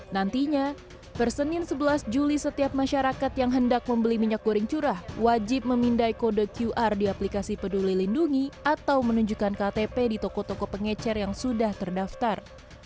nantinya persenin sebelas juli setiap masyarakat yang hendak membeli minyak goreng curah wajib memindai kode qr di aplikasi peduli lindungi atau menunjukkan ktp di toko toko pengecer yang sudah terdaftar